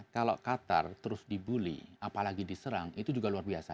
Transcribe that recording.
kalau qatar terus dibully apalagi diserang itu juga luar biasa